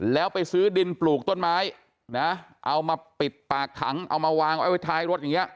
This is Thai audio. แล้วไปซื้อดินปลูกต้นไม้นะเอามาปิดปากถังเอามาวางไว้ท้ายรถอย่างเงี้